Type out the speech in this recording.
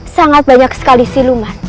sangat banyak sekali siluman